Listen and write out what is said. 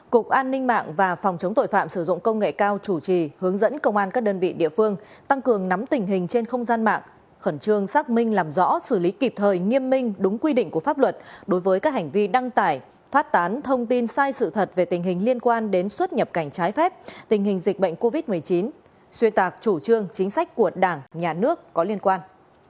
năm cục an ninh mạng và phòng chống tội phạm sử dụng công nghệ cao chủ trì hướng dẫn công an các đơn vị địa phương tăng cường nắm tình hình trên không gian mạng khẩn trương xác minh làm rõ xử lý kịp thời nghiêm minh đúng quy định của pháp luật đối với các hành vi đăng tải thoát tán thông tin sai sự thật về tình hình liên quan đến xuất nhập cảnh trái phép tình hình dịch bệnh covid một mươi chín xuyên tạc chủ trương chính sách của đảng nhà nước có liên quan